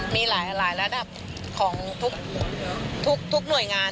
มีหลายระดับของทุกหน่วยงาน